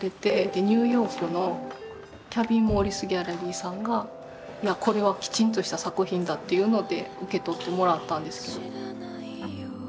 でニューヨークのキャビン・モリスギャラリーさんがこれはきちんとした作品だっていうので受け取ってもらったんですけど。